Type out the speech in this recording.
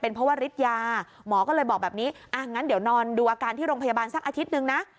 เพราะว่าฤทธิยาหมอก็เลยบอกแบบนี้อ่ะงั้นเดี๋ยวนอนดูอาการที่โรงพยาบาลสักอาทิตย์นึงนะ